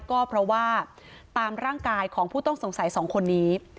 ก็เพราะว่าตามร่างกายของผู้ต้องสงสัย๒คนนี้